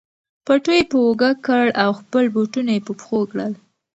پټو یې په اوږه کړ او خپل بوټونه یې په پښو کړل.